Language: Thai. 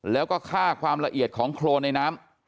แล้วก็ค่าความละเอียดของโครนในน้ำ